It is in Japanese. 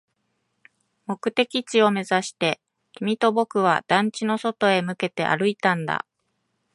目的地を目指して、君と僕は団地の外へ向けて歩いたんだ